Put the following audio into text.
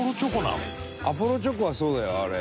伊達：アポロチョコはそうだよ、あれ。